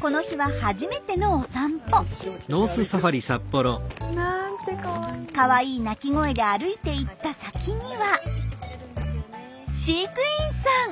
この日は初めてのカワイイ鳴き声で歩いていった先には飼育員さん！